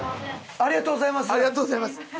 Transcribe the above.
ありがとうございます。